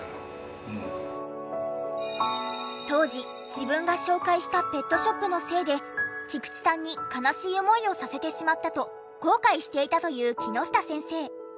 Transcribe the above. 当時自分が紹介したペットショップのせいで菊池さんに悲しい思いをさせてしまったと後悔していたという木下先生。